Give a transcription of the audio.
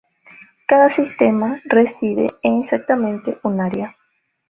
Cada sistema reside en exactamente un área.